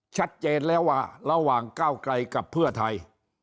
ชัดเจนแล้วว่าระหว่างก้าวไกลกับเพื่อไทย